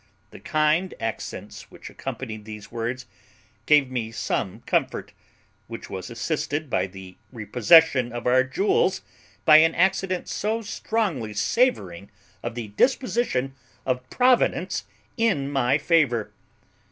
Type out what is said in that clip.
The kind accents which accompanied these words gave me some comfort, which was assisted by the repossession of our jewels by an accident so strongly savouring of the disposition of Providence in my favour.